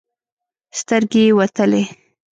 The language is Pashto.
سترګې يې وتلې.